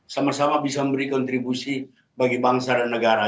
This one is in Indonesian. sama sama bisa memberi kontribusi bagi bangsa dan negara